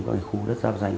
các khu đất giáp danh